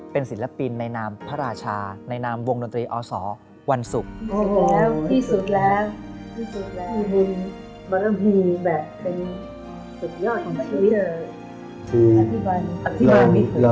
เป็นศิลปินในนามพระราชาในนามวงดนตรีอศวันศุกร์แล้ว